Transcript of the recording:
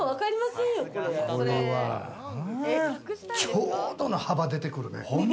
ちょうどの幅で出てくるね。